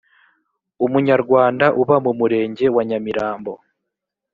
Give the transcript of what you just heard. umunyarwanda uba mu murenge wa nyamirambo